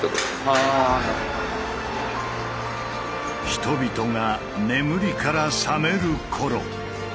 人々が眠りから覚める頃。